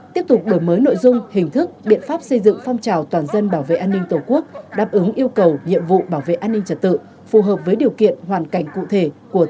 tiếp tục đổi mới nội dung hình thức biện pháp xây dựng phong trào toàn dân bảo vệ an ninh tổ quốc